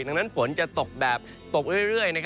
ดังนั้นฝนจะตกแบบตกเรื่อย